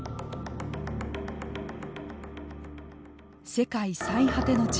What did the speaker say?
世界最果ての地